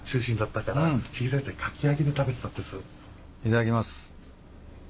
いただきます。